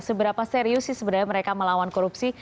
seberapa serius sih sebenarnya mereka melawan korupsi